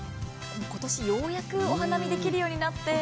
今年、ようやくお花見できるようになって。